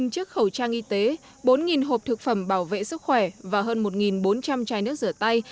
một mươi chiếc khẩu trang y tế bốn hộp thực phẩm bảo vệ sức khỏe và hơn một bốn trăm linh chai nước rửa tay